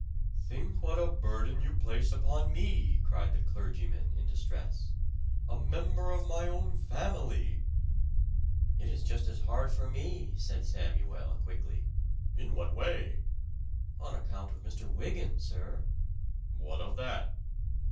"Think what a burden you place upon me!" cried the clergyman in distress. "A member of my own family!" "It is just as hard for me," said Samuel quickly. "In what way?" "On account of Mr. Wygant, sir." "What of that?"